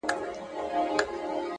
لوړ فکر د نوښتونو سرچینه ده!.